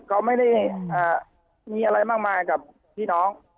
เขาไม่ได้มีอะไรมากมายกับพี่น้อง